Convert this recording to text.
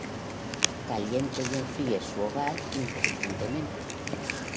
Caliente y enfríe su hogar inteligentemente